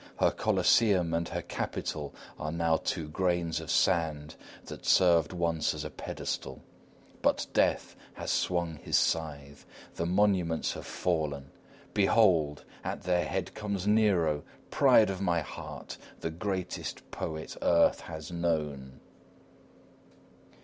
Her Coliseum and her Capitol are now two grains of sands that served once as a pedestal; but Death has swung his scythe: the monuments have fallen. Behold! At their head comes Nero, pride of my heart, the greatest poet earth has known!